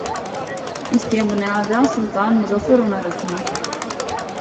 اس دی بنیاداں سلطان مظفر اُناں رکھیاں۔